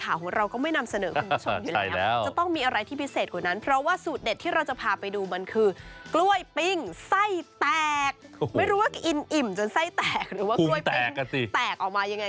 ไม่รู้ว่าอิ่มจนไส้แตกหรือว่ากล้วยปิ้งแตกออกมายังไง